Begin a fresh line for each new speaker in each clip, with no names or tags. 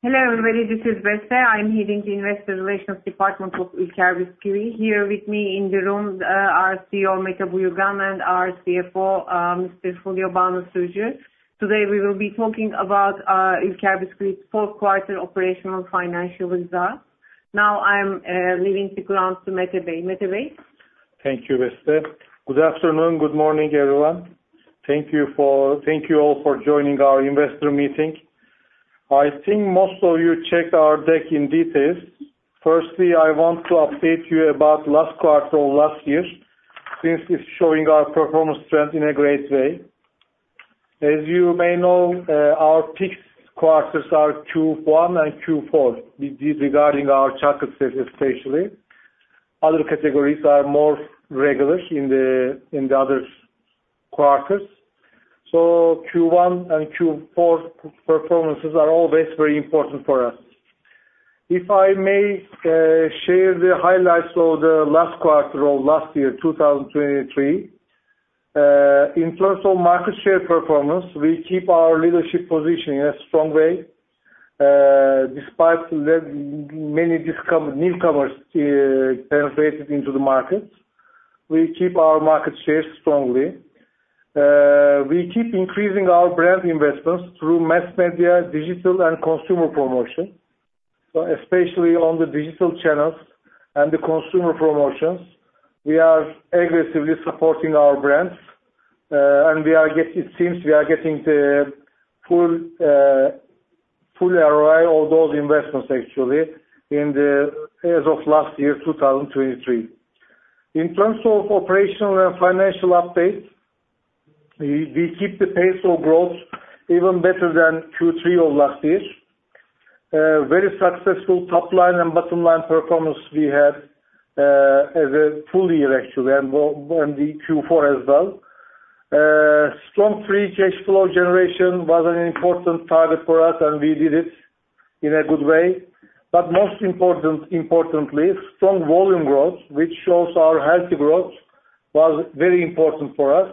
Hello everybody, this is Beste. I'm heading the Investor Relations department of Ülker Bisküvi. Here with me in the room is our CEO, Mete Buyurgan, and our CFO, Mr. Fulya Banu Sürücü. Today we will be talking about Ülker Bisküvi's fourth quarter operational financial results. I'm leaving the ground to Mete Bey. Mete Bey.
Thank you, Beste. Good afternoon, good morning, everyone. Thank you all for joining our investor meeting. I think most of you checked our deck in detail. I want to update you about last quarter of last year since it's showing our performance trend in a great way. As you may know, our peak quarters are Q1 and Q4, regarding our chocolate sales especially. Other categories are more regular in the other quarters. Q1 and Q4 performances are always very important for us. If I may share the highlights of the last quarter of last year, 2023. In terms of market share performance, we keep our leadership position in a strong way. Despite many newcomers penetrating into the market, we keep our market share strongly. We keep increasing our brand investments through mass media, digital, and consumer promotion. Especially on the digital channels and the consumer promotions, we are aggressively supporting our brands. It seems we are getting the full ROI of those investments actually, as of last year, 2023. In terms of operational and financial updates, we keep the pace of growth even better than Q3 of last year. Very successful top-line and bottom-line performance we had as a full year actually, and Q4 as well. Strong free cash flow generation was an important target for us, and we did it in a good way. Most importantly, strong volume growth, which shows our healthy growth, was very important for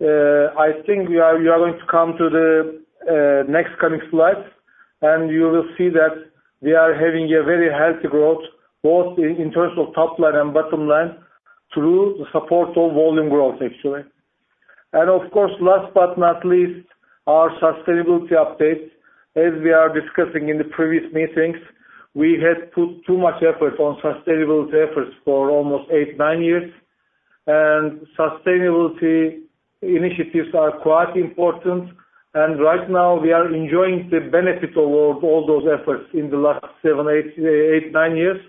us. I think we are going to come to the next coming slides, and you will see that we are having a very healthy growth both in terms of top line and bottom line through the support of volume growth, actually. Of course, last but not least, our sustainability updates. As we are discussing in the previous meetings, we had put too much effort on sustainability efforts for almost eight, nine years. Sustainability initiatives are quite important. Right now we are enjoying the benefits of all those efforts in the last seven, eight, nine years.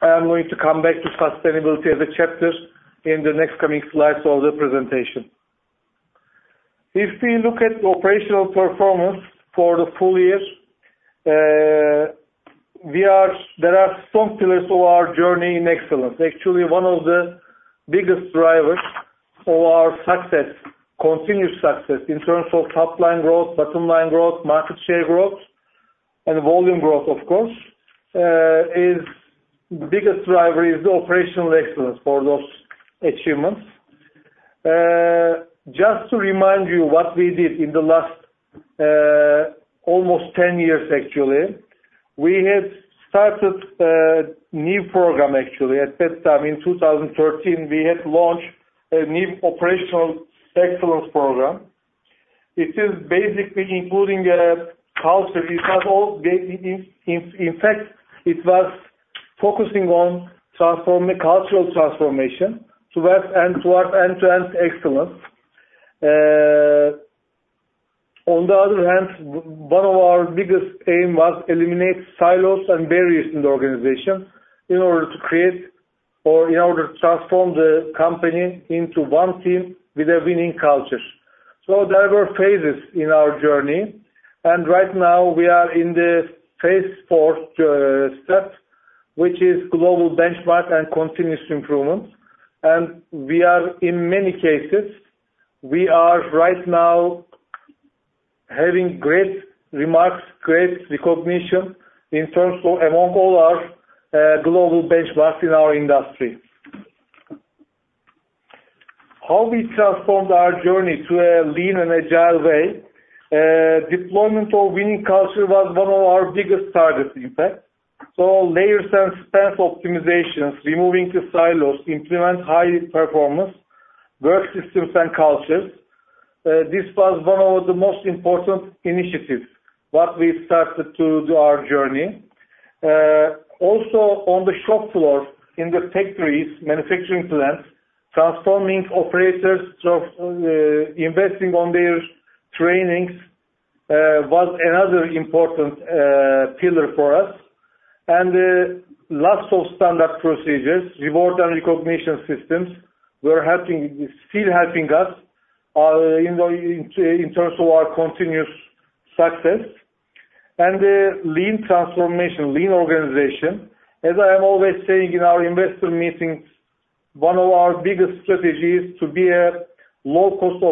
I am going to come back to sustainability as a chapter in the next coming slides of the presentation. If we look at operational performance for the full year, there are some pillars of our journey in excellence. Actually, one of the biggest drivers of our continuous success in terms of top-line growth, bottom-line growth, market share growth, and volume growth, of course, the biggest driver is the operational excellence for those achievements. Just to remind you what we did in the last almost 10 years actually. We had started a new program actually at that time. In 2013, we had launched a new operational excellence program, which is basically including a culture. In fact, it was focusing on cultural transformation towards end-to-end excellence. On the other hand, one of our biggest aims was eliminate silos and barriers in the organization in order to transform the company into one team with a winning culture. There were phases in our journey, and right now we are in the phase 4 step, which is global benchmark and continuous improvement. In many cases, we are right now having great remarks, great recognition among all our global benchmarks in our industry. How we transformed our journey to a lean and agile way. Deployment of winning culture was one of our biggest targets, in fact. Layers and spans optimizations, removing silos, implement high-performance work systems and cultures. This was one of the most important initiatives, what we started to do our journey. Also, on the shop floor in the factories, manufacturing plants, transforming operators, investing in their trainings, was another important pillar for us. Lots of standard procedures, reward and recognition systems were still helping us in terms of our continuous success. The lean transformation, lean organization. As I am always saying in our investor meetings, one of our biggest strategies is to have a low-cost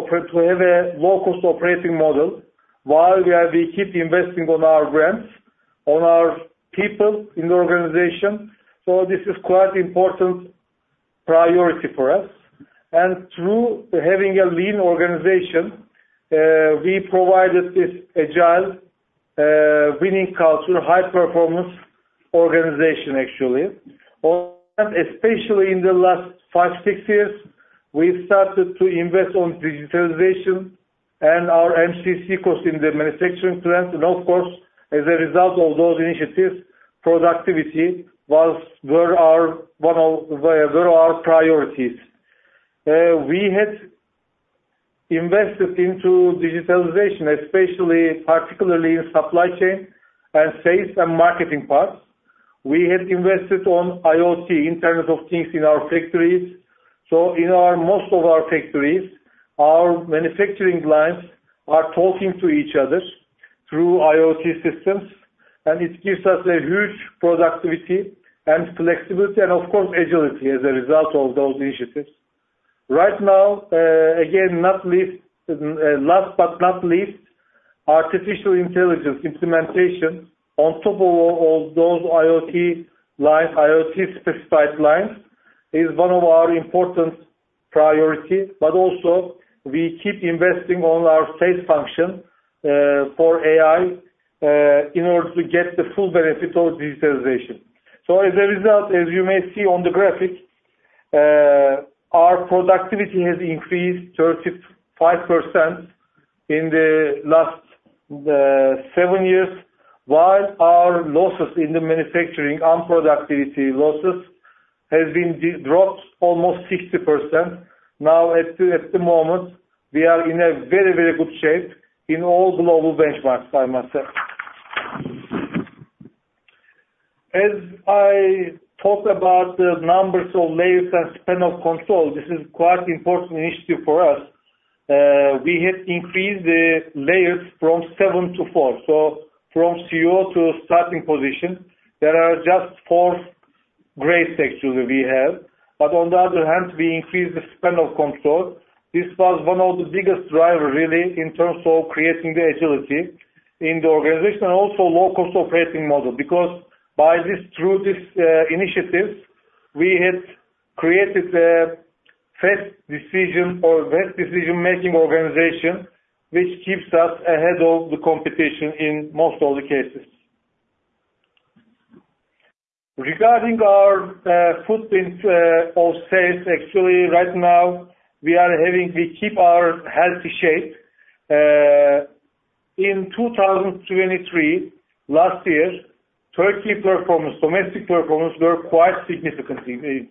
operating model while we keep investing in our brands, in our people in the organization. This is quite important priority for us. Through having a lean organization, we provided this agile winning culture, high-performance organization, actually. Over time, especially in the last five, six years, we started to invest on digitalization and our MCC cost in the manufacturing plants. Of course, as a result of those initiatives, productivity were our priorities. We had invested into digitalization, particularly in supply chain, and sales and marketing parts. We had invested on IoT, Internet of Things, in our factories. In most of our factories, our manufacturing lines are talking to each other through IoT systems, and it gives us a huge productivity and flexibility, and of course, agility as a result of those initiatives. Right now, last but not least, artificial intelligence implementation on top of all those IoT specified lines is one of our important priorities. Also we keep investing on our sales function for AI in order to get the full benefit of digitalization. As a result, as you may see on the graphic, our productivity has increased 35% in the last seven years, while our losses in the manufacturing, unproductivity losses, has been dropped almost 60%. At the moment, we are in a very good shape in all global benchmarks, I must say. As I talk about the numbers of layers and span of control, this is quite important initiative for us. We had increased the layers from seven to four. From CEO to starting position, there are just 4 grades actually we have. On the other hand, we increased the span of control. This was one of the biggest driver, really, in terms of creating the agility in the organization. Also low-cost operating model. Through this initiative, we had created a fast decision or best decision-making organization, which keeps us ahead of the competition in most of the cases. Regarding our footprints of sales, actually right now, we keep our healthy shape. In 2023, last year, Turkey performance, domestic performance, were quite significant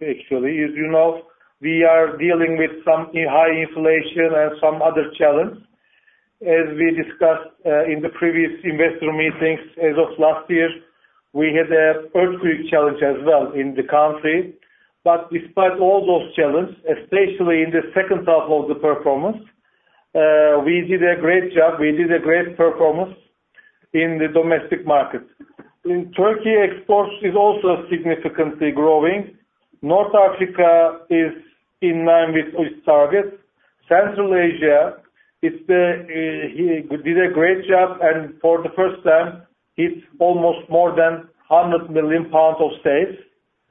actually. As you know, we are dealing with some high inflation and some other challenges. As we discussed in the previous investor meetings, as of last year, we had an earthquake challenge as well in the country. Despite all those challenges, especially in the second half of the performance, we did a great job. We did a great performance in the domestic market. In Turkey, exports is also significantly growing. North Africa is in line with its targets. Central Asia did a great job, and for the first time hit almost more than 100 million pounds of sales.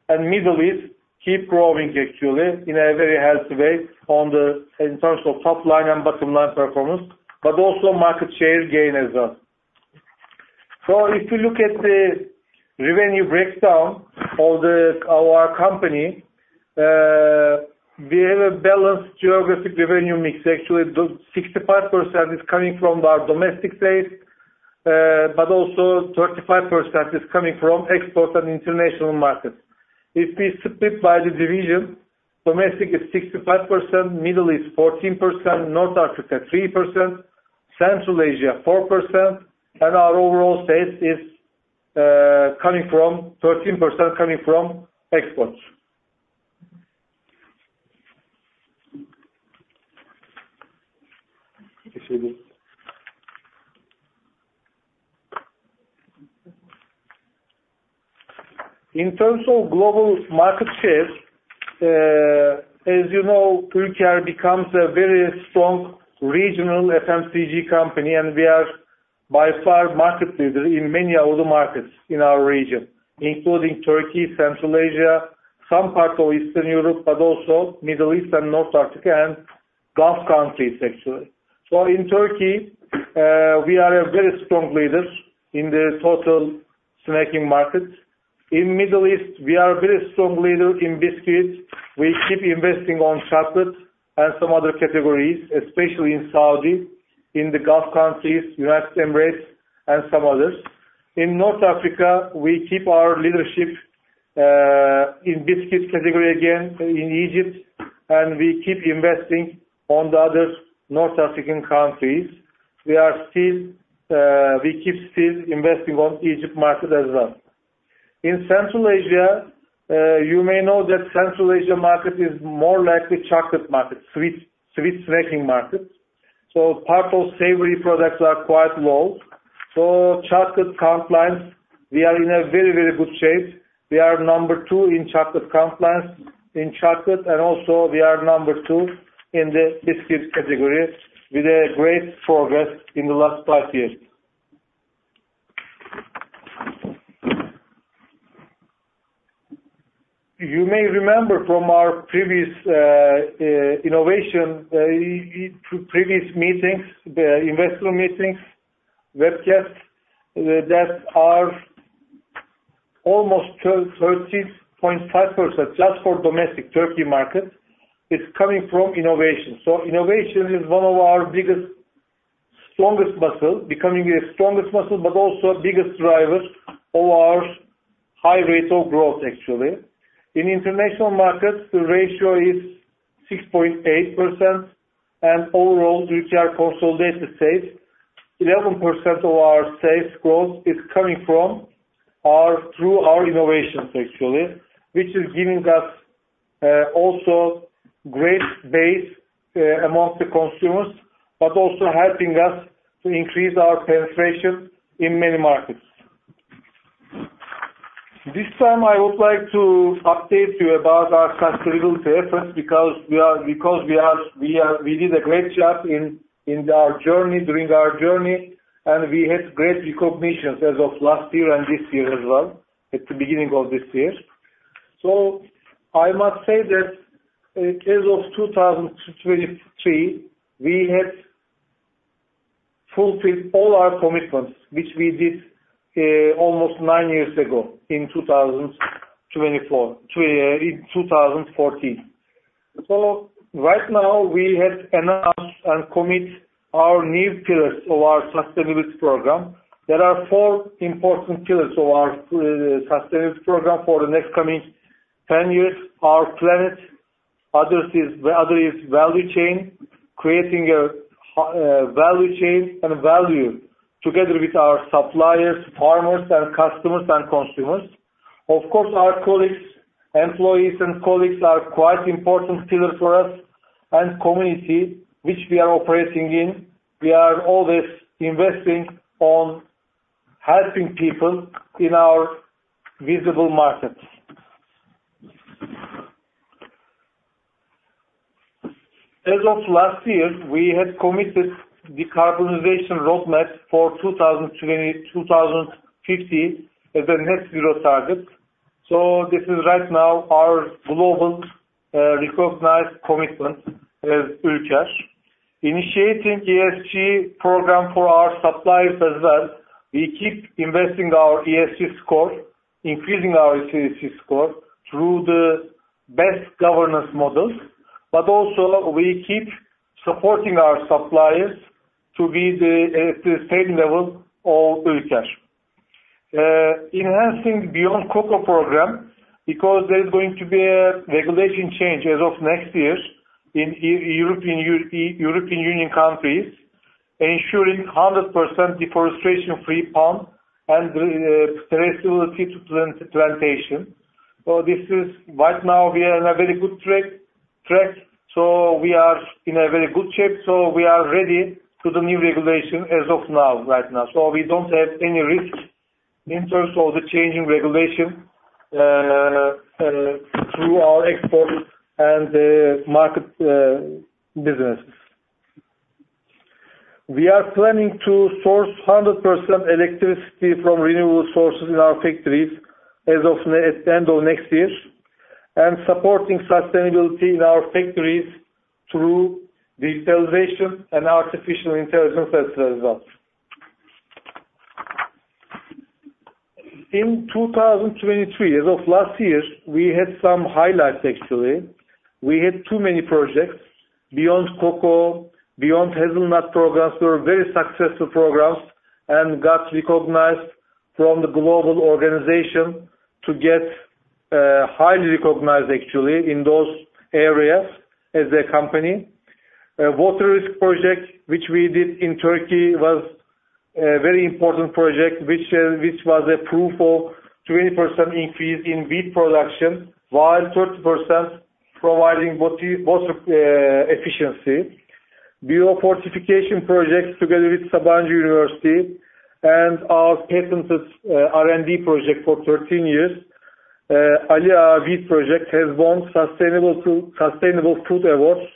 Middle East keeps growing actually in a very healthy way in terms of top line and bottom line performance, but also market share gain as well. If you look at the revenue breakdown of our company, we have a balanced geographic revenue mix. Actually, 65% is coming from our domestic sales, but also 35% is coming from exports and international markets. If we split by the division, domestic is 65%, Middle East 14%, North Africa 3%, Central Asia 4%, and our overall sales is 13% coming from exports. In terms of global market share, as you know, Ülker becomes a very strong regional FMCG company, and we are by far market leader in many other markets in our region, including Turkey, Central Asia, some parts of Eastern Europe, but also Middle East and North Africa and Gulf countries, actually. In Turkey, we are a very strong leader in the total snacking market. In Middle East, we are a very strong leader in biscuits. We keep investing on chocolate and some other categories, especially in Saudi, in the Gulf countries, United Arab Emirates and some others. In North Africa, we keep our leadership in biscuits category again in Egypt, and we keep investing on the other North African countries. We keep still investing on Egypt market as well. Central Asia, you may know that Central Asia market is more like a chocolate market, sweet snacking market. Part of savory products are quite low. Chocolate count lines, we are in a very good shape. We are number 2 in chocolate count lines in chocolate, and also we are number 2 in the biscuits category with a great progress in the last five years. You may remember from our previous innovation, previous investor meetings, webcasts, that are almost 13.5% just for domestic Turkey market is coming from innovation. Innovation is one of our strongest muscles, becoming a strongest muscle, but also biggest drivers of our high rates of growth, actually. In international markets, the ratio is 6.8%, and overall, which are consolidated sales, 11% of our sales growth is coming through our innovations, actually, which is giving us also great base amongst the consumers, but also helping us to increase our penetration in many markets. This time, I would like to update you about our sustainability efforts, we did a great job during our journey, and we had great recognitions as of last year and this year as well, at the beginning of this year. I must say that as of 2023, we had fulfilled all our commitments, which we did almost nine years ago in 2014. Right now, we have announced and commit our new pillars of our sustainability program. There are four important pillars of our sustainability program for the next coming 10 years. Our planet. Other is value chain, creating a value chain and value together with our suppliers, farmers, and customers and consumers. Of course, our employees and colleagues are quite important pillar for us, and community which we are operating in. We are always investing on helping people in our visible markets. As of last year, we had committed decarbonization roadmap for 2020-2050 as a net zero target. This is right now our global recognized commitment as Ülker. Initiating ESG program for our suppliers as well. We keep investing our ESG score, increasing our ESG score through the best governance models, but also we keep supporting our suppliers to be at the same level of Ülker. Enhancing Beyond Cocoa program, because there's going to be a regulation change as of next year in European Union countries, ensuring 100% deforestation-free palm and traceability to plantation. Right now we are in a very good track. We are in a very good shape. We are ready to the new regulation as of now, right now. We don't have any risk in terms of the changing regulation through our exports and the market businesses. We are planning to source 100% electricity from renewable sources in our factories as of end of next year, and supporting sustainability in our factories through digitalization and artificial intelligence as a result. In 2023, as of last year, we had some highlights, actually. We had too many projects. Beyond Cocoa, Beyond Hazelnut programs were very successful programs and got recognized from the global organization to get highly recognized actually in those areas as a company. Water risk project, which we did in Turkey, was a very important project, which was a proof of 20% increase in wheat production, while 30% providing water efficiency. Biofortification projects together with Sabancı University and our patented R&D project for 13 years. Alia Wheat project has won Sustainable Food Awards,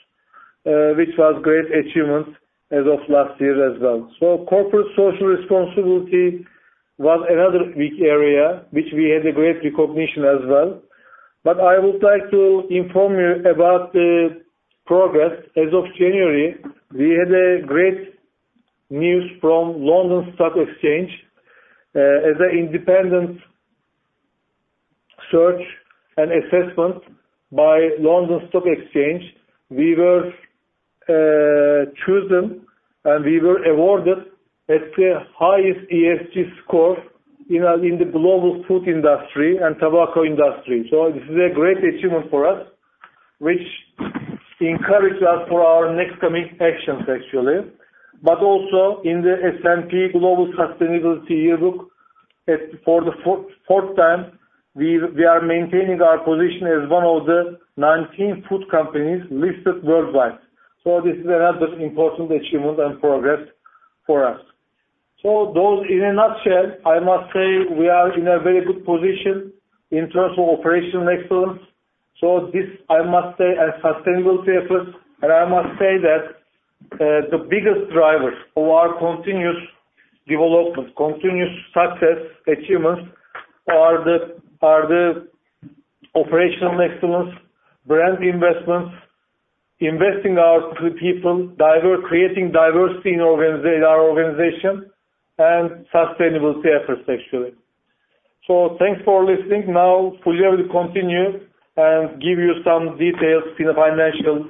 which was great achievement as of last year as well. Corporate social responsibility was another big area, which we had a great recognition as well. I would like to inform you about the progress. As of January, we had a great news from London Stock Exchange. As an independent search and assessment by London Stock Exchange, we were chosen, and we were awarded as the highest ESG score in the global food industry and tobacco industry. This is a great achievement for us, which encourage us for our next coming actions, actually. Also in the S&P Global Sustainability Yearbook, for the fourth time, we are maintaining our position as one of the 19 food companies listed worldwide. This is another important achievement and progress for us. Those in a nutshell, I must say we are in a very good position in terms of operational excellence. This, I must say, a sustainability effort, and I must say that the biggest drivers of our continuous development, continuous success achievements are the operational excellence, brand investments, investing in our people, creating diversity in our organization, and sustainability efforts actually. Thanks for listening. Fulya will continue and give you some details in the financial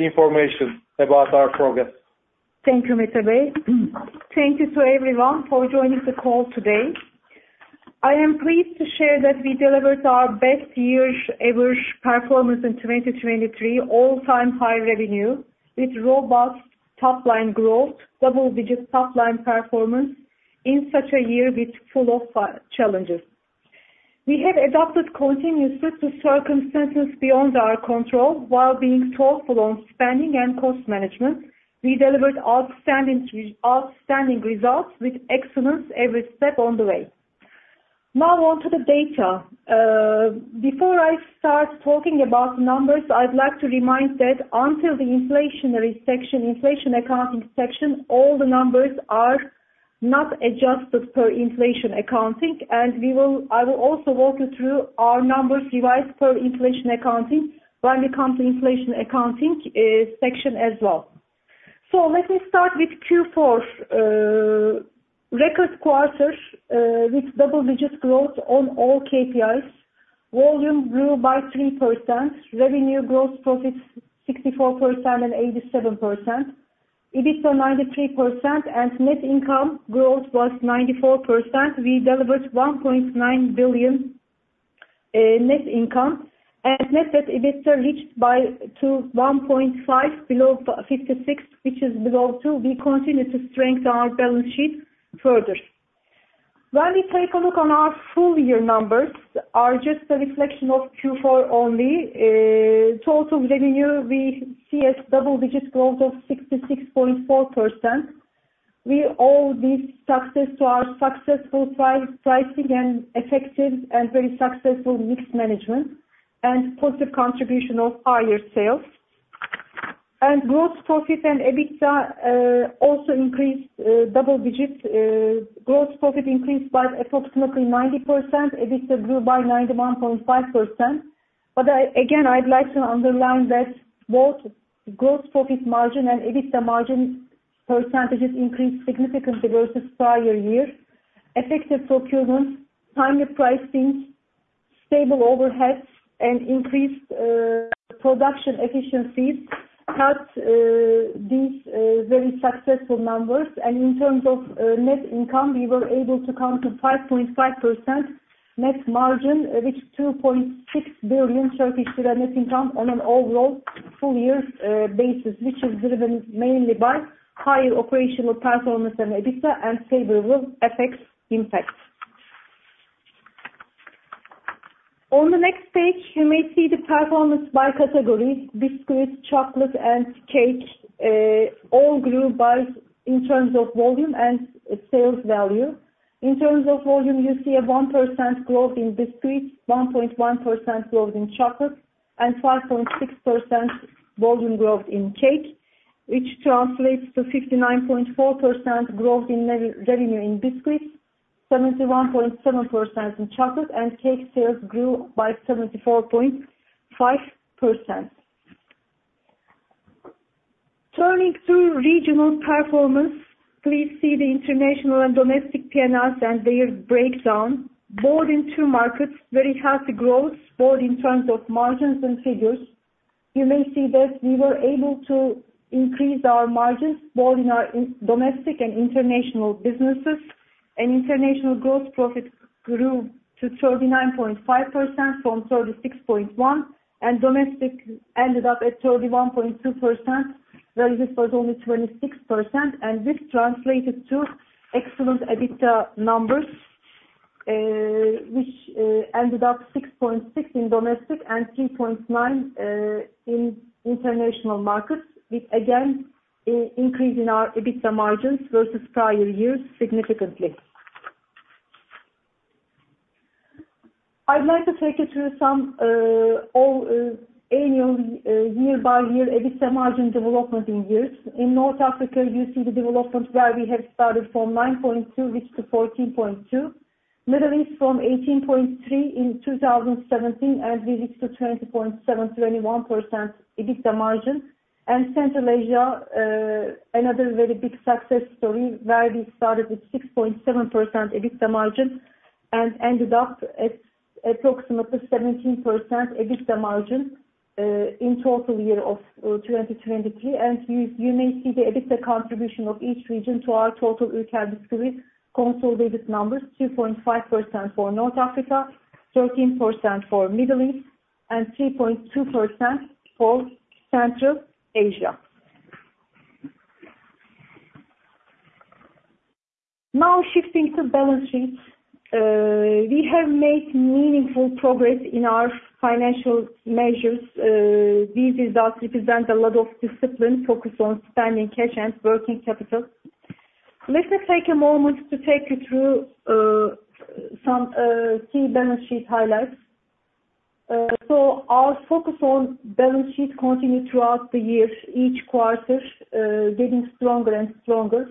information about our progress.
Thank you, Mete Bey. Thank you to everyone for joining the call today. I am pleased to share that we delivered our best year's average performance in 2023, all-time high revenue with robust top-line growth, double-digit top-line performance in such a year full of challenges. We have adapted continuously to circumstances beyond our control while being thoughtful on spending and cost management. We delivered outstanding results with excellence every step of the way. On to the data. Before I start talking about numbers, I'd like to remind that until the inflationary section, inflation accounting section, all the numbers are not adjusted per inflation accounting. I will also walk you through our numbers revised per inflation accounting when we come to inflation accounting section as well. Let me start with Q4. Record quarter with double-digit growth on all KPIs. Volume grew by 3%. Revenue growth profits 64% and 87%. EBITDA 93% and net income growth was 94%. We delivered $1.9 billion net income. Net debt EBITDA reached to 1.5 below 56, which is below 2. We continue to strengthen our balance sheet further. When we take a look on our full year numbers are just a reflection of Q4 only. Total revenue, we see a double-digit growth of 66.4%. We owe this success to our successful pricing and effective and very successful mix management and positive contribution of higher sales. Gross profit and EBITDA also increased double digits. Gross profit increased by approximately 90%. EBITDA grew by 91.5%. Again, I'd like to underline that both gross profit margin and EBITDA margin percentages increased significantly versus prior year. Effective procurement, timely pricing, stable overheads, and increased production efficiencies helped these very successful numbers. In terms of net income, we were able to come to 5.5% net margin, reached 2.6 billion Turkish lira net income on an overall full year basis, which is driven mainly by higher operational performance and EBITDA and favorable FX impacts. On the next page, you may see the performance by category. Biscuits, chocolate, and cake all grew in terms of volume and sales value. In terms of volume, you see a 1% growth in biscuits, 1.1% growth in chocolate, and 5.6% volume growth in cake, which translates to 59.4% growth in revenue in biscuits, 71.7% in chocolate, and cake sales grew by 74.5%. Turning to regional performance, please see the international and domestic P&Ls and their breakdown. Both in two markets, very healthy growth, both in terms of margins and figures. You may see that we were able to increase our margins both in our domestic and international businesses. International growth profit grew to 39.5% from 36.1%. Domestic ended up at 31.2%, where this was only 26%. This translated to excellent EBITDA numbers, which ended up 6.6 billion in domestic and 3.9 billion in international markets, with again, increase in our EBITDA margins versus prior years significantly. I'd like to take you through some annual year-by-year EBITDA margin development in years. In North Africa, you see the development where we have started from 9.2%, reached to 14.2%. Middle East from 18.3% in 2017, and we reached to 20.7%, 21% EBITDA margin. Central Asia, another very big success story where we started with 6.7% EBITDA margin and ended up at approximately 17% EBITDA margin in total year of 2023. You may see the EBITDA contribution of each region to our total Ülker Bisküvi consolidated numbers, 2.5% for North Africa, 13% for Middle East, and 3.2% for Central Asia. Now shifting to balance sheets. We have made meaningful progress in our financial measures. These results represent a lot of discipline focused on spending cash and working capital. Let me take a moment to take you through some key balance sheet highlights. Our focus on balance sheet continued throughout the year, each quarter getting stronger and stronger.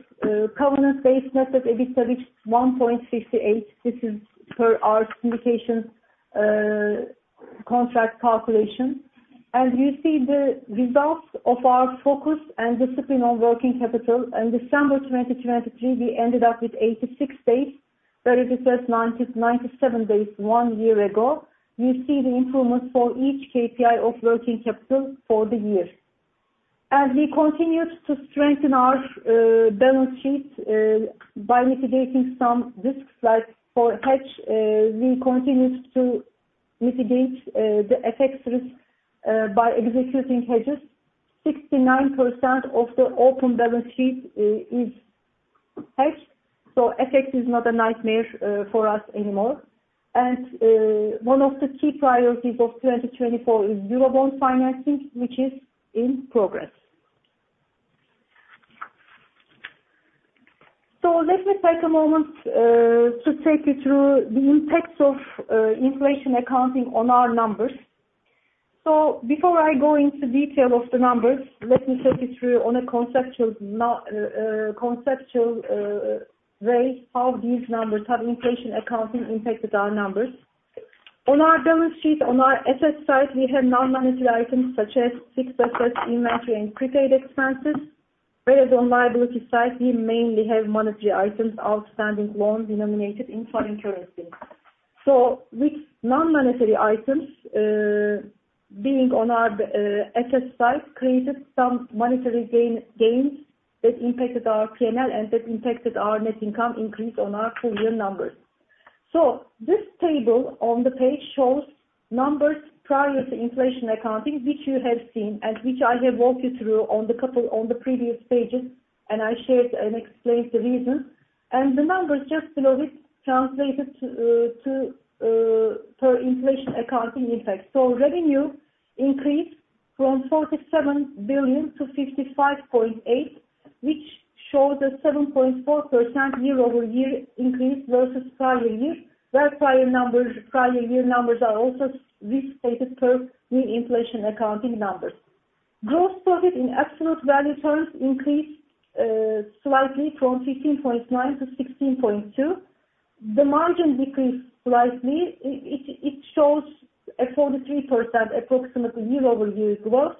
Covenant-based method EBITDA reached 1.58. This is per our communication contract calculation. You see the results of our focus and discipline on working capital. In December 2023, we ended up with 86 days versus 97 days one year ago. You see the improvement for each KPI of working capital for the year. As we continued to strengthen our balance sheet by mitigating some risks, like for hedge, we continued to mitigate the FX risk by executing hedges. 69% of the open balance sheet is hedged, so FX is not a nightmare for us anymore. One of the key priorities of 2024 is eurobond financing, which is in progress. Let me take a moment to take you through the impacts of inflation accounting on our numbers. Before I go into detail of the numbers, let me take you through on a conceptual way how these numbers, how inflation accounting impacted our numbers. On our balance sheet, on our asset side, we have non-monetary items such as fixed assets, inventory, and prepaid expenses. Whereas on liability side, we mainly have monetary items, outstanding loans denominated in foreign currency. Which non-monetary items being on our asset side created some monetary gains that impacted our P&L and that impacted our net income increase on our full year numbers. This table on the page shows numbers prior to inflation accounting, which you have seen and which I have walked you through on the previous pages, and I shared and explained the reason. The numbers just below it translated per inflation accounting impact. Revenue increased from 47 billion to 55.8 billion, which shows a 7.4% year-over-year increase versus prior year, where prior year numbers are also restated per new inflation accounting numbers. Gross profit in absolute value terms increased slightly from 15.9 billion to 16.2 billion. The margin decreased slightly. It shows a 43% approximately year-over-year growth.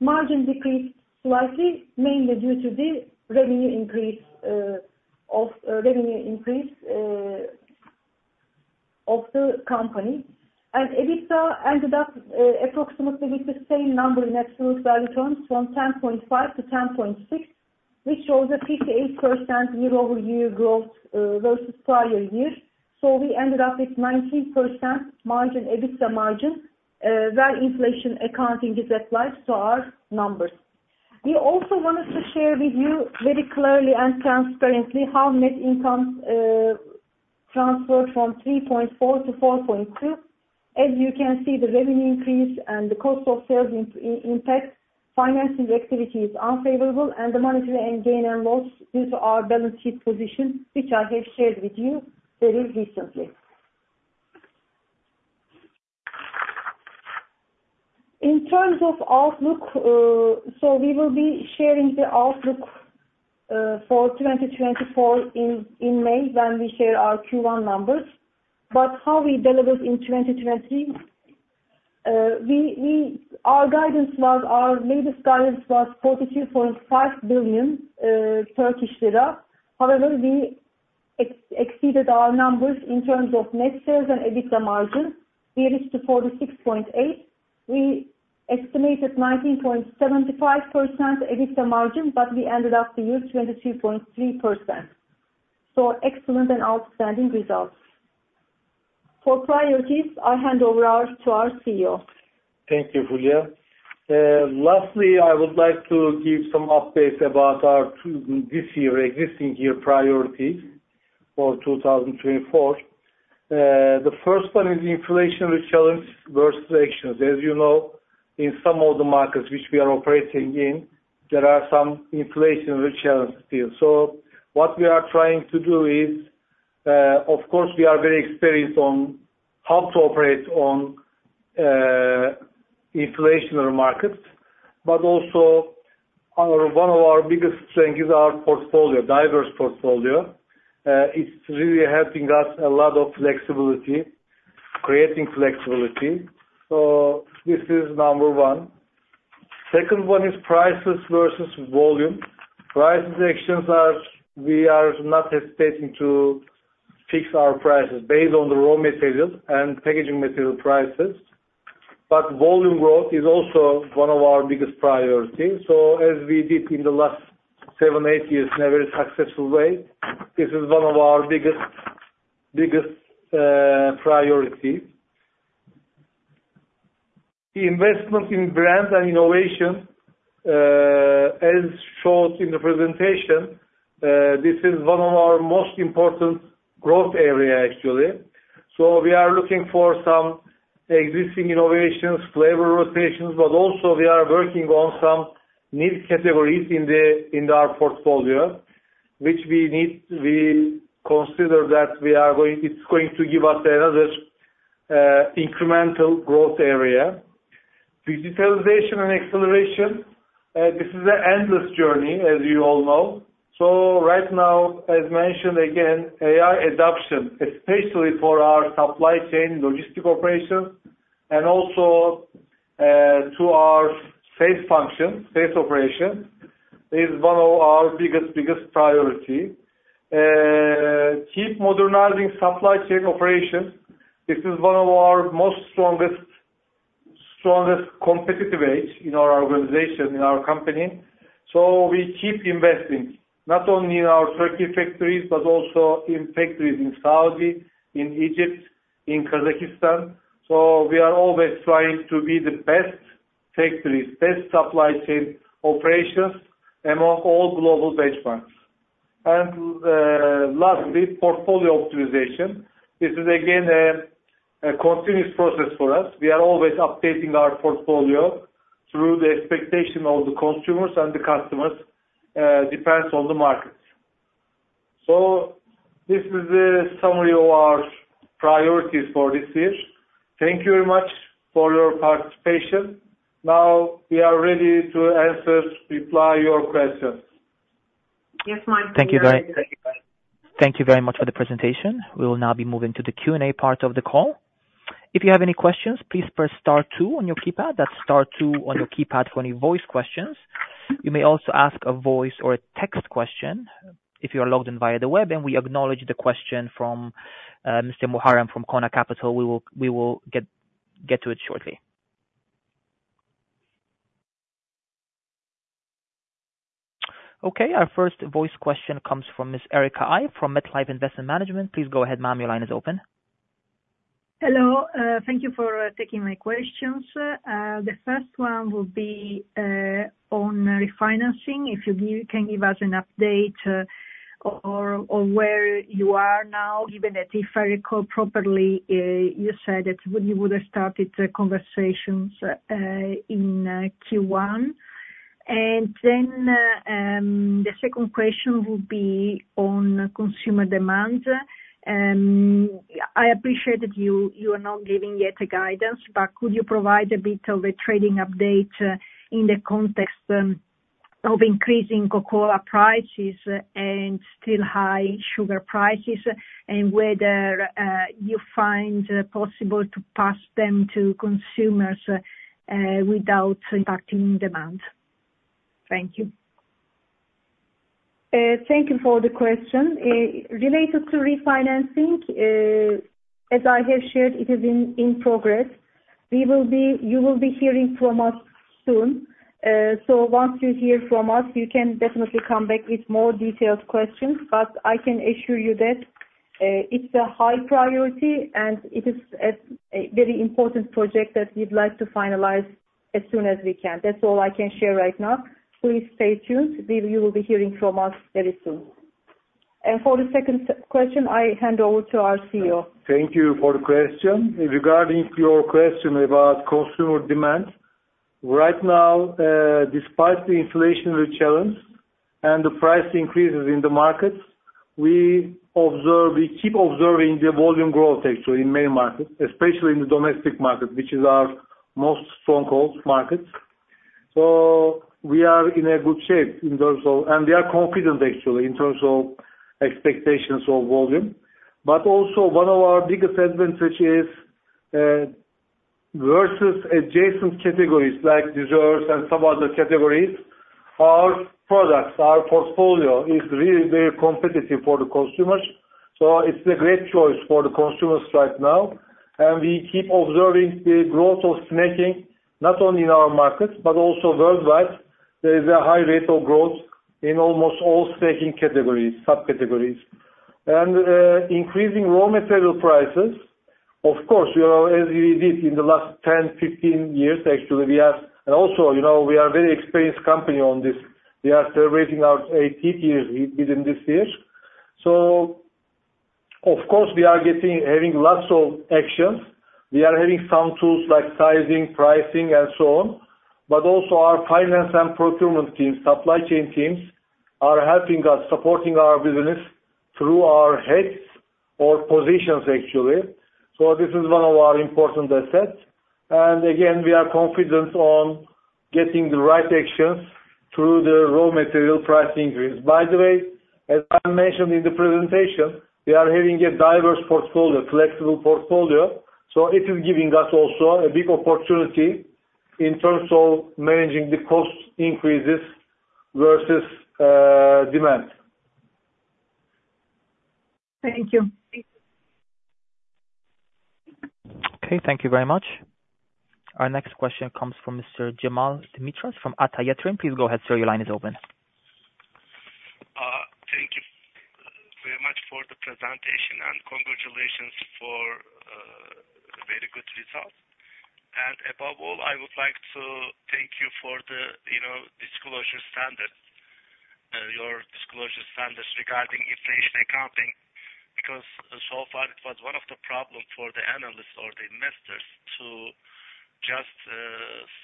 Margin decreased slightly, mainly due to the revenue increase of the company. EBITDA ended up approximately with the same number in absolute value terms from 10.5 billion-10.6 billion, which shows a 58% year-over-year growth versus prior year. We ended up with 19% margin, EBITDA margin, where inflation accounting is applied to our numbers. We also wanted to share with you very clearly and transparently how net income transferred from 3.4 billion-4.2 billion. As you can see, the revenue increase and the cost of sales impact, financing activity is unfavorable, and the monetary gain and loss due to our balance sheet position, which I have shared with you very recently. In terms of outlook, we will be sharing the outlook for 2024 in May when we share our Q1 numbers. How we delivered in 2023, our latest guidance was 42.5 billion Turkish lira. However, we exceeded our numbers in terms of net sales and EBITDA margin. We reached 46.8 billion. We estimated 19.75% EBITDA margin, but we ended up the year 22.3%. Excellent and outstanding results. For priorities, I hand over to our CEO.
Thank you, Fulya. Lastly, I would like to give some updates about our existing year priorities for 2024. The first one is inflation risk challenge versus actions. As you know, in some of the markets which we are operating in, there are some inflationary challenges still. What we are trying to do is, of course, we are very experienced on how to operate on inflationary markets, but also one of our biggest strength is our diverse portfolio. It is really helping us a lot of flexibility, creating flexibility. This is number 1. Second one is prices versus volume. Price actions, we are not hesitating to fix our prices based on the raw material and packaging material prices. Volume growth is also one of our biggest priorities. As we did in the last 7, 8 years in a very successful way, this is one of our biggest priorities. The investment in brand and innovation, as shown in the presentation, this is one of our most important growth area, actually. We are looking for some existing innovations, flavor rotations, but also we are working on some new categories in our portfolio. Which we consider that it is going to give us another incremental growth area. Digitalization and acceleration, this is an endless journey, as you all know. Right now, as mentioned again, AI adoption, especially for our supply chain logistic operations, and also to our sales function, sales operation, is one of our biggest priority. Keep modernizing supply chain operations. This is one of our most strongest competitive edge in our organization, in our company. We keep investing, not only in our Turkey factories, but also in factories in Saudi, in Egypt, in Kazakhstan. We are always trying to be the best factories, best supply chain operations among all global benchmarks. Lastly, portfolio optimization. This is again, a continuous process for us. We are always updating our portfolio through the expectation of the consumers and the customers. Depends on the markets. This is a summary of our priorities for this year. Thank you very much for your participation. Now we are ready to reply your questions.
Yes.
Thank you very much for the presentation. We will now be moving to the Q&A part of the call. If you have any questions, please press star 2 on your keypad. That's star 2 on your keypad for any voice questions. You may also ask a voice or a text question if you are logged in via the web. We acknowledge the question from Mr. Muharrem from Kona Capital. We will get to it shortly. Okay. Our first voice question comes from Ms. Erica Ai from MetLife Investment Management. Please go ahead, ma'am, your line is open.
Hello, thank you for taking my questions. The first one will be on refinancing. If you can give us an update on where you are now, given that if I recall properly, you said that you would have started conversations in Q1. The second question will be on consumer demand. I appreciated you are not giving yet a guidance, could you provide a bit of a trading update in the context of increasing cocoa prices and still high sugar prices, and whether you find possible to pass them to consumers without impacting demand. Thank you.
Thank you for the question. Related to refinancing, as I have shared, it is in progress. You will be hearing from us soon. Once you hear from us, you can definitely come back with more detailed questions. I can assure you that it's a high priority, and it is a very important project that we'd like to finalize as soon as we can. That's all I can share right now. Please stay tuned. You will be hearing from us very soon. For the second question, I hand over to our CEO.
Thank you for the question. Regarding your question about consumer demand. Right now, despite the inflationary challenge and the price increases in the markets, we keep observing the volume growth actually in main markets, especially in the domestic market, which is our most stronghold market. We are in a good shape, and we are confident actually in terms of expectations of volume. Also one of our biggest advantage is, versus adjacent categories like desserts and some other categories, our products, our portfolio is really very competitive for the consumers. It's a great choice for the consumers right now. We keep observing the growth of snacking, not only in our markets, but also worldwide. There is a high rate of growth in almost all snacking categories, subcategories. Increasing raw material prices, of course, as we did in the last 10, 15 years, actually. Also, we are a very experienced company on this. We are celebrating our 80th year within this year. Of course we are having lots of actions. We are having some tools like sizing, pricing and so on. Also our finance and procurement teams, supply chain teams, are helping us, supporting our business through our heads or positions actually. This is one of our important assets. Again, we are confident on getting the right actions through the raw material price increase. By the way, as I mentioned in the presentation, we are having a diverse portfolio, flexible portfolio. It is giving us also a big opportunity in terms of managing the cost increases versus demand.
Thank you.
Okay. Thank you very much. Our next question comes from Mr. Cemal Demirtaş from Ata Yatırım. Please go ahead, sir. Your line is open.
Thank you very much for the presentation. Congratulations for a very good result. Above all, I would like to thank you for your disclosure standards regarding inflation accounting. Because so far it was one of the problems for the analysts or the investors to just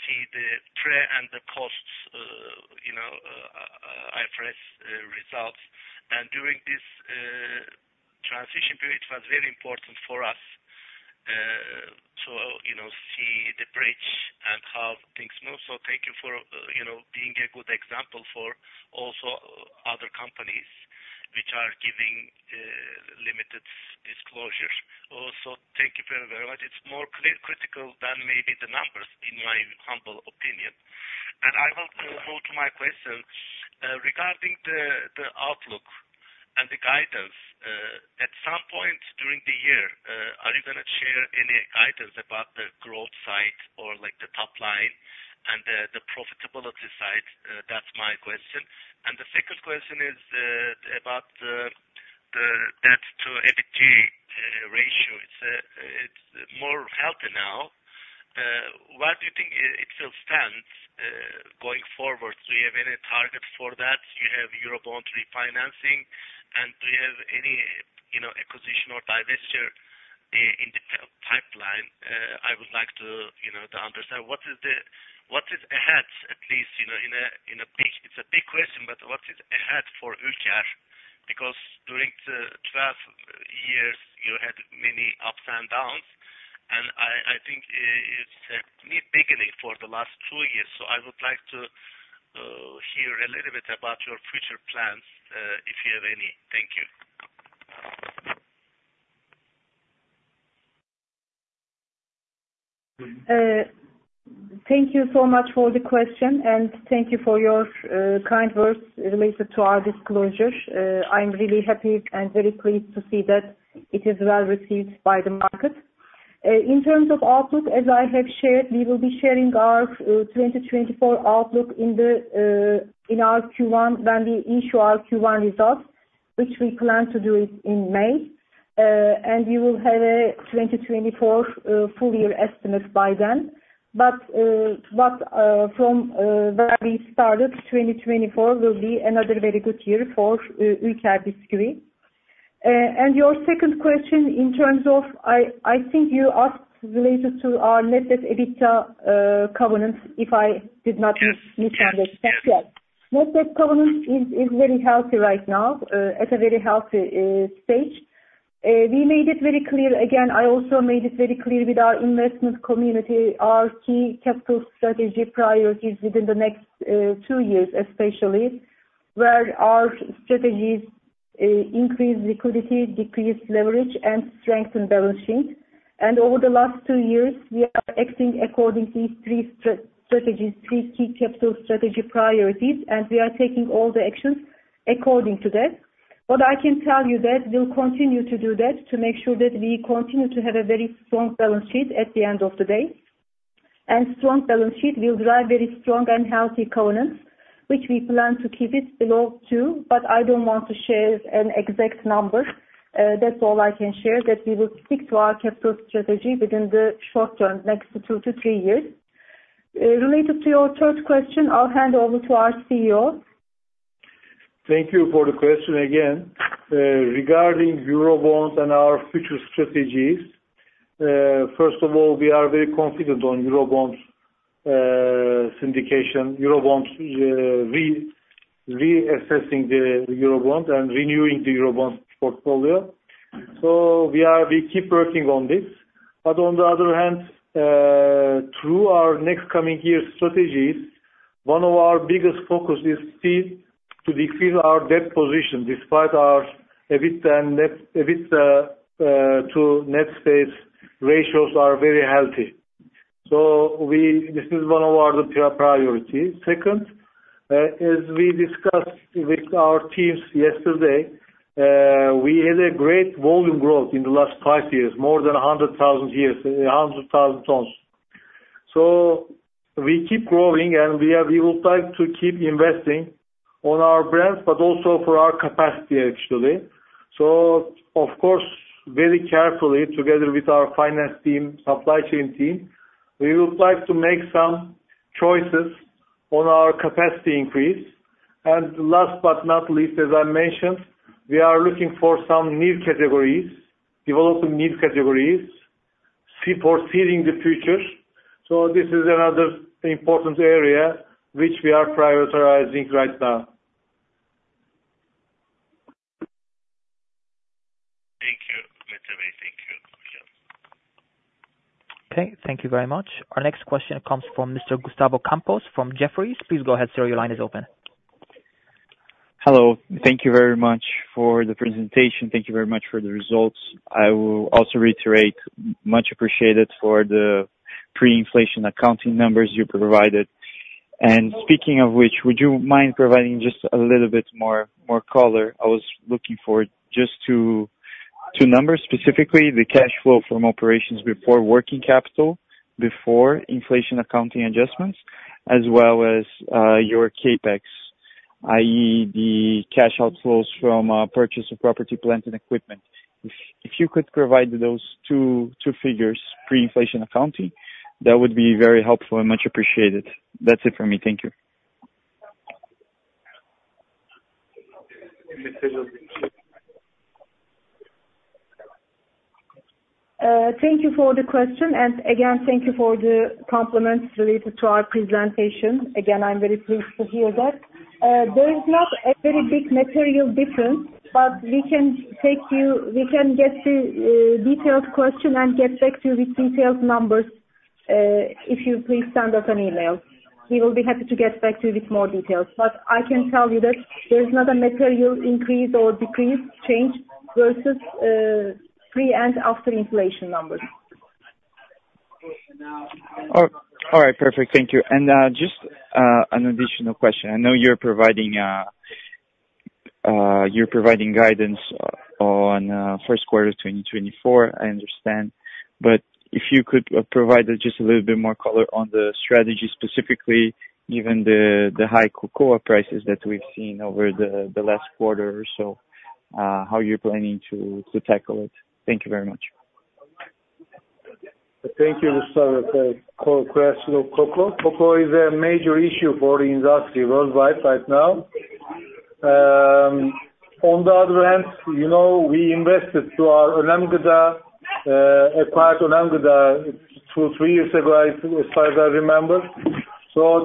see the trade and the costs, IFRS results. During this transition period, it was very important for us to see the bridge and how things move. Thank you for being a good example for also other companies which are giving limited disclosure. Also, thank you very much. It's more critical than maybe the numbers, in my humble opinion. I want to go to my question. Regarding the outlook and the guidance, at some point during the year, are you going to share any guidance about the growth side or the top line and the profitability side? That's my question. The second question is about the debt to EBITDA ratio. It's more healthy now. Where do you think it will stand going forward? Do you have any target for that? You have Eurobond refinancing. Do you have any acquisition or divestiture in the pipeline? I would like to understand what is ahead, at least. It's a big question, but what is ahead for Ülker? Because during the 12 years, you had many ups and downs, and I think it's a new beginning for the last two years. I would like to hear a little bit about your future plans, if you have any. Thank you.
Thank you so much for the question. Thank you for your kind words related to our disclosure. I'm really happy and very pleased to see that it is well received by the market. In terms of outlook, as I have shared, we will be sharing our 2024 outlook when we issue our Q1 results, which we plan to do in May. You will have a 2024 full year estimate by then. From where we started, 2024 will be another very good year for Ülker Bisküvi. Your second question in terms of, I think you asked related to our net debt EBITDA covenants, if I did not misunderstand. Yes. Net debt covenant is very healthy right now, at a very healthy stage. We made it very clear, again, I also made it very clear with our investment community, our key capital strategy priorities within the next two years, especially, where our strategies increase liquidity, decrease leverage, and strengthen balance sheet. Over the last two years, we are acting according these three strategies, three key capital strategy priorities, and we are taking all the actions according to that. What I can tell you is that we will continue to do that to make sure that we continue to have a very strong balance sheet at the end of the day. Strong balance sheet will drive very strong and healthy covenants, which we plan to keep it below 2, but I don't want to share an exact number. That's all I can share, that we will stick to our capital strategy within the short term, next two to three years. Related to your third question, I will hand over to our CEO.
Thank you for the question again. Regarding Eurobonds and our future strategies, first of all, we are very confident on Eurobonds syndication, reassessing the Eurobonds, and renewing the Eurobonds portfolio. We keep working on this. On the other hand, through our next coming year strategies, one of our biggest focus is still to decrease our debt position, despite our EBITDA to net debt ratios are very healthy. This is one of our priorities. Second, as we discussed with our teams yesterday, we had a great volume growth in the last five years, more than 100,000 tons. We keep growing, and we would like to keep investing on our brands, but also for our capacity, actually. Of course, very carefully, together with our finance team, supply chain team, we would like to make some choices on our capacity increase. Last but not least, as I mentioned, we are looking for some new categories, developing new categories, foreseeing the future. This is another important area which we are prioritizing right now.
Thank you, Mete. Thank you.
Okay, thank you very much. Our next question comes from Mr. Gustavo Campos from Jefferies. Please go ahead, sir. Your line is open.
Hello. Thank you very much for the presentation. Thank you very much for the results. I will also reiterate, much appreciated for the pre-inflation accounting numbers you provided. Speaking of which, would you mind providing just a little bit more color? I was looking for just two numbers, specifically the cash flow from operations before working capital, before inflation accounting adjustments, as well as your CapEx, i.e., the cash outflows from purchase of property, plant, and equipment. If you could provide those two figures, pre-inflation accounting, that would be very helpful and much appreciated. That's it for me. Thank you.
Thank you for the question, again, thank you for the compliments related to our presentation. Again, I'm very pleased to hear that. There is not a very big material difference. We can get the detailed question and get back to you with detailed numbers, if you please send us an email. We will be happy to get back to you with more details. I can tell you that there's not a material increase or decrease change versus pre and after inflation numbers.
All right, perfect. Thank you. Just an additional question. I know you're providing guidance on first quarter 2024, I understand. If you could provide just a little bit more color on the strategy, specifically, given the high cocoa prices that we've seen over the last quarter or so, how you're planning to tackle it. Thank you very much.
Thank you. To start with the core question of cocoa. Cocoa is a major issue for the industry worldwide right now. On the other hand, we invested through our acquired Alam Gıda two, three years ago, as far as I remember.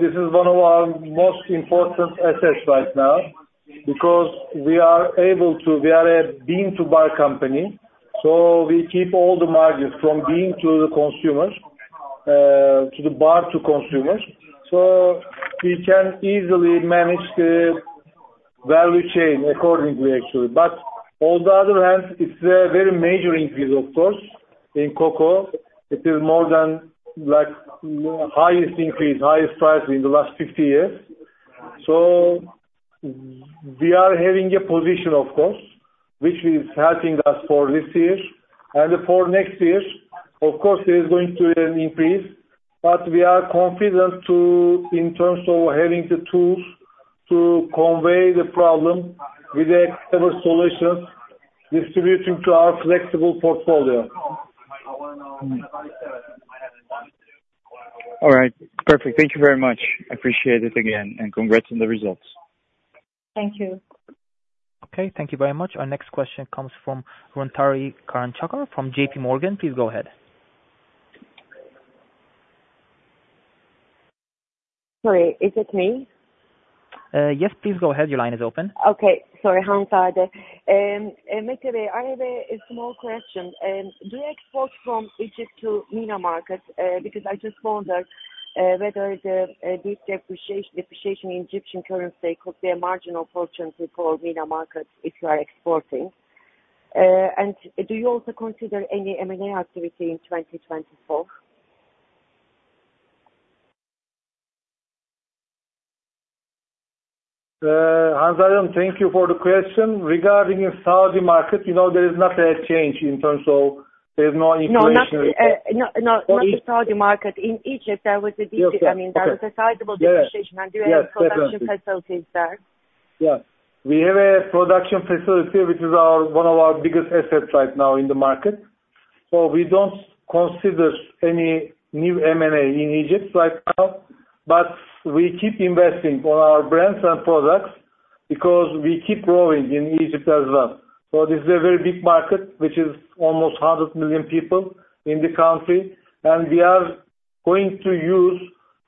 This is one of our most important assets right now, because we are a bean-to-bar company, so we keep all the margins from bean to the consumers, to the bar to consumers. We can easily manage the value chain accordingly, actually. On the other hand, it's a very major increase, of course, in cocoa. It is more than highest increase, highest price in the last 50 years. We are having a position, of course, which is helping us for this year. For next year, of course, there's going to be an increase. We are confident, in terms of having the tools to convey the problem with the several solutions distributing to our flexible portfolio.
All right. Perfect. Thank you very much. Appreciate it again. Congrats on the results.
Thank you.
Okay. Thank you very much. Our next question comes from Harantari Karanchakar from JP Morgan. Please go ahead.
Sorry, is it me?
Yes, please go ahead. Your line is open.
Okay. Sorry. Hansar. Mete, I have a small question. Do you export from Egypt to MENA markets? Because I just wonder whether this depreciation in Egyptian currency could be a marginal fortune for MENA markets if you are exporting. Do you also consider any M&A activity in 2024?
Hansar, thank you for the question. Regarding the Saudi market, there is not a change in terms of.
No, not the Saudi market. In Egypt, there was a depreciation.
Okay
I mean, there was a sizable depreciation.
Yeah
You have production facilities there.
Yeah. We have a production facility which is one of our biggest assets right now in the market. We don't consider any new M&A in Egypt right now. We keep investing on our brands and products because we keep growing in Egypt as well. This is a very big market, which is almost 100 million people in the country. We are going to use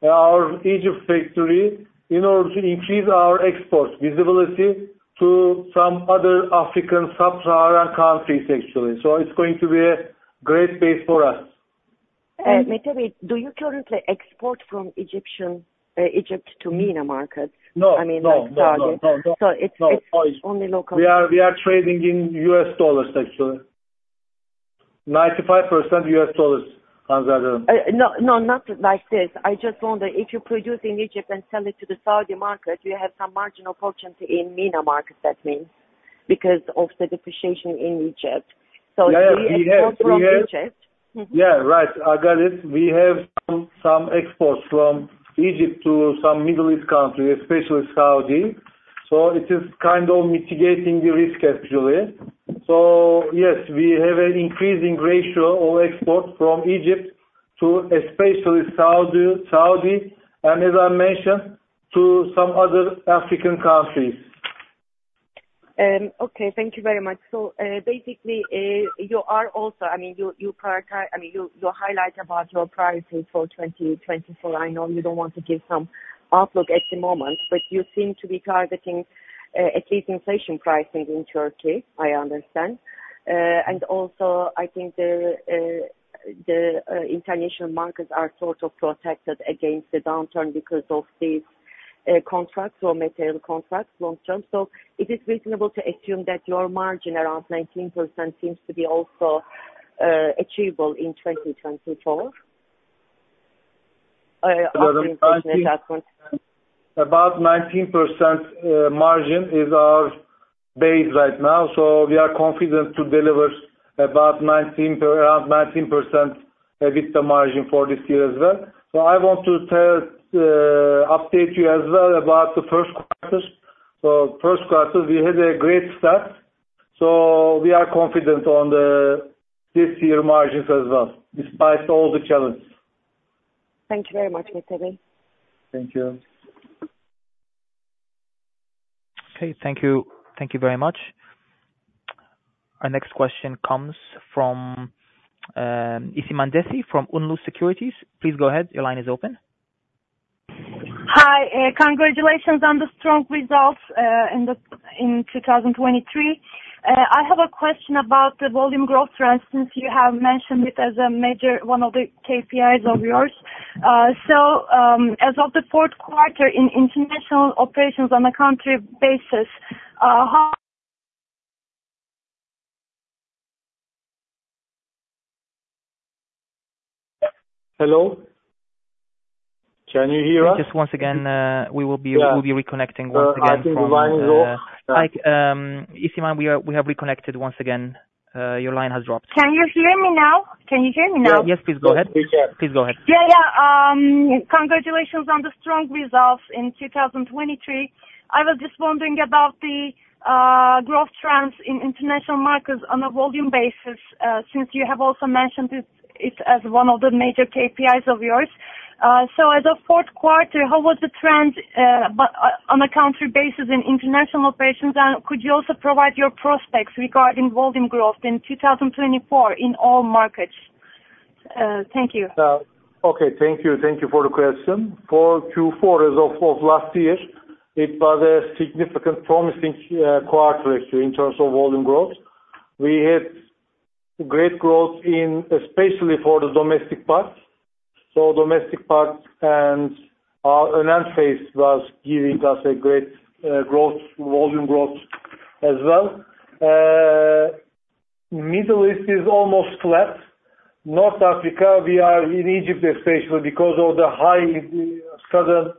our Egypt factory in order to increase our exports visibility to some other African sub-Sahara countries, actually. It's going to be a great base for us.
Mete, do you currently export from Egypt to MENA markets?
No.
I mean, like Saudi.
No.
It's only local.
We are trading in US dollars, actually. 95% US dollars, Hansar.
No, not like this. I just wonder if you produce in Egypt and sell it to the Saudi market, you have some marginal fortune in MENA markets that means, because of the depreciation in Egypt. If you export from Egypt.
Yeah, right. I got it. We have some exports from Egypt to some Middle East countries, especially Saudi. It is kind of mitigating the risk actually. Yes, we have an increasing ratio of exports from Egypt to especially Saudi, and as I mentioned, to some other African countries.
Basically, your highlight about your priority for 2024, I know you don't want to give some outlook at the moment, but you seem to be targeting at least inflation pricing in Turkey, I understand. Also, I think the international markets are sort of protected against the downturn because of these contracts or material contracts long-term. Is it reasonable to assume that your margin around 19% seems to be also achievable in 2024?
About 19% margin is our base right now. We are confident to deliver around 19% EBITDA margin for this year as well. I want to update you as well about the first quarters. First quarters, we had a great start. We are confident on this year margins as well, despite all the challenges.
Thank you very much, Mr. Bey.
Thank you.
Okay. Thank you. Thank you very much. Our next question comes from Isiman Desi from ÜNLÜ Menkul. Please go ahead. Your line is open.
Hi. Congratulations on the strong results in 2023. I have a question about the volume growth trends, since you have mentioned it as one of the major KPIs of yours. As of the fourth quarter in international operations on a country basis, how
Hello? Can you hear us?
Just once again, we will be-
Yeah
reconnecting once again.
I think the line is off. Yeah.
Hi. Isiman, we have reconnected once again. Your line has dropped.
Can you hear me now?
Yes, please go ahead.
Yes, we can.
Please go ahead.
Congratulations on the strong results in 2023. I was just wondering about the growth trends in international markets on a volume basis, since you have also mentioned it as one of the major KPIs of yours. As of the fourth quarter, how was the trend on a country basis in international operations? Could you also provide your prospects regarding volume growth in 2024 in all markets? Thank you.
Okay. Thank you. Thank you for the question. For Q4 as of last year, it was a significant promising quarter actually, in terms of volume growth. We had great growth especially for the domestic parts. Domestic parts and our enhanced phase was giving us a great volume growth as well. Middle East is almost flat. North Africa, in Egypt especially, because of the high sudden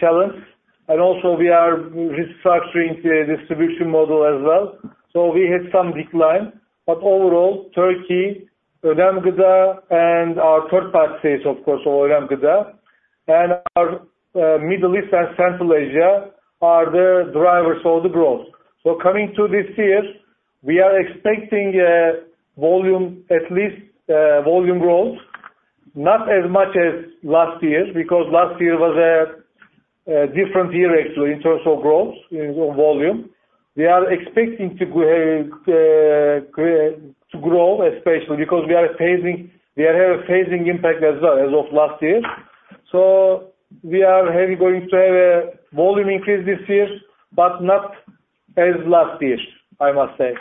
challenge, and also we are restructuring the distribution model as well, so we had some decline. Overall, Turkey, Aram Gıda, and our third party is, of course, Aram Gıda, and our Middle East and Central Asia are the drivers of the growth. Coming to this year, we are expecting at least volume growth. Not as much as last year, because last year was a different year actually, in terms of growth in volume. We are expecting to grow especially because we have a phasing impact as well as of last year. We are going to have a volume increase this year, but not as last year, I must say.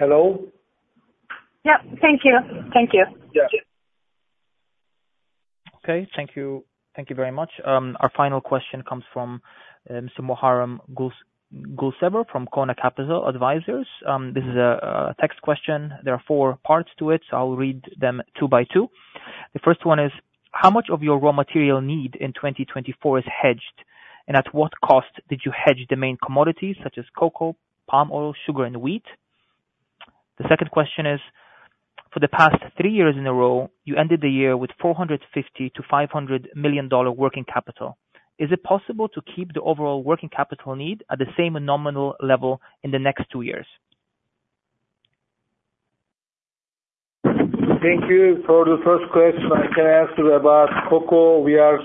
Hello?
Yeah. Thank you. Thank you.
Yeah.
Okay. Thank you. Thank you very much. Our final question comes from Mr. Muharrem Gulsever from Kona Capital Advisors. This is a text question. There are four parts to it, I'll read them two by two. The first one is, how much of your raw material need in 2024 is hedged? At what cost did you hedge the main commodities such as cocoa, palm oil, sugar, and wheat? The second question is, for the past three years in a row, you ended the year with $450 million-$500 million working capital. Is it possible to keep the overall working capital need at the same nominal level in the next two years?
Thank you. For the first question, I can answer about cocoa. We are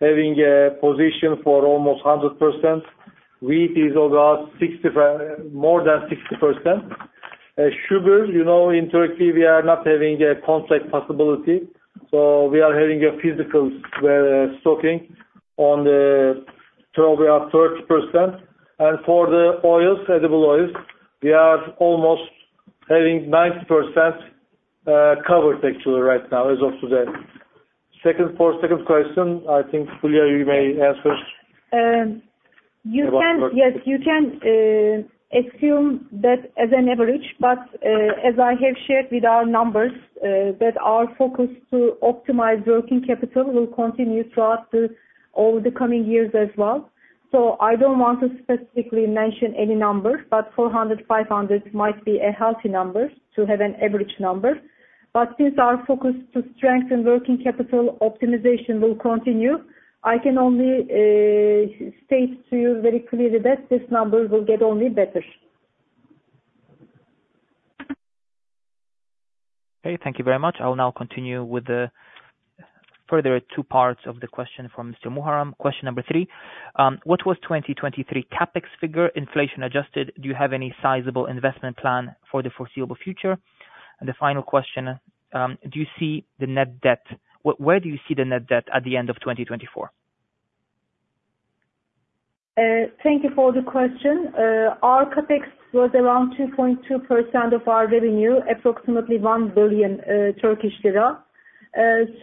having a position for almost 100%. Wheat is more than 60%. Sugar, you know, in Turkey, we are not having a contract possibility. We are having a physical stocking on the 12-year, 30%. For the edible oils, we are almost having 90% covered actually right now as of today. For 2nd question, I think Fulya you may answer.
Yes, you can assume that as an average, but as I have shared with our numbers, that our focus to optimize working capital will continue throughout all the coming years as well. I don't want to specifically mention any numbers, but 400, 500 might be a healthy number to have an average number. Since our focus to strengthen working capital optimization will continue, I can only state to you very clearly that this number will get only better.
Okay. Thank you very much. I'll now continue with the further 2 parts of the question from Mr. Muharrem. Question number 3, what was 2023 CapEx figure, inflation adjusted? Do you have any sizable investment plan for the foreseeable future? The final question, where do you see the net debt at the end of 2024?
Thank you for the question. Our CapEx was around 2.2% of our revenue, approximately 1 billion Turkish lira. In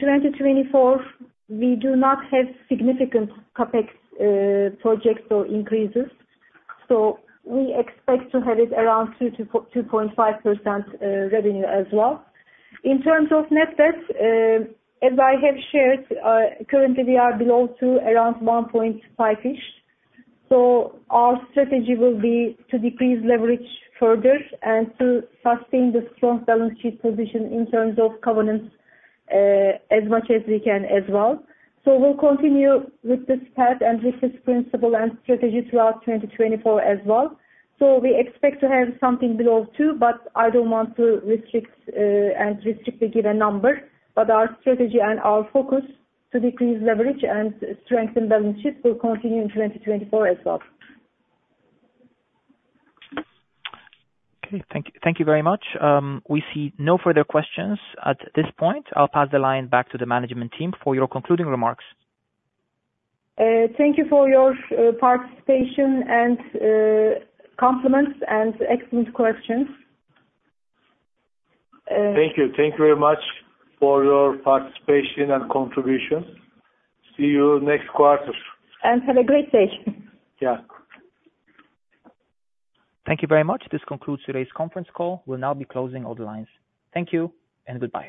2024, we do not have significant CapEx projects or increases. We expect to have it around 2%-2.5% revenue as well. In terms of net debt, as I have shared, currently we are below 2, around 1.5-ish. Our strategy will be to decrease leverage further and to sustain the strong balance sheet position in terms of covenants as much as we can as well. We'll continue with this path and with this principle and strategy throughout 2024 as well. We expect to have something below 2, but I don't want to restrict and strictly give a number, but our strategy and our focus to decrease leverage and strengthen balance sheet will continue in 2024 as well.
Okay. Thank you very much. We see no further questions at this point. I'll pass the line back to the management team for your concluding remarks.
Thank you for your participation and compliments and excellent questions.
Thank you. Thank you very much for your participation and contribution. See you next quarter.
Have a great day.
Yeah.
Thank you very much. This concludes today's conference call. We'll now be closing all the lines. Thank you and goodbye.